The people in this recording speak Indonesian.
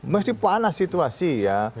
mesti panas situasi ya